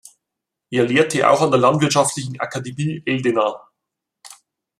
Er lehrte auch an der Landwirtschaftlichen Akademie Eldena.